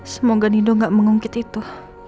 semoga nino gak mengungkit itu